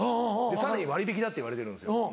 さらに割引だって言われてるんですよ。